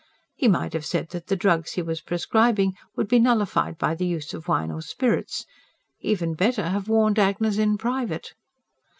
He might have said that the drugs he was prescribing would be nullified by the use of wine or spirits; even better, have warned Agnes in private.